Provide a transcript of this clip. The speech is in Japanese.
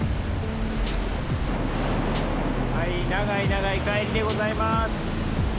はい長い長い帰りでございます！